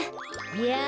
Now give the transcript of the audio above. やあ。